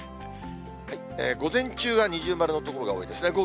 午前中は二重丸の所が多いですね。